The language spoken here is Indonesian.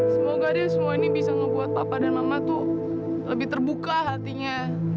sampai jumpa di video selanjutnya